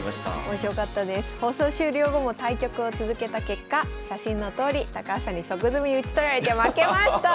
放送終了後も対局を続けた結果写真のとおり高橋さんに即詰みに討ち取られて負けました！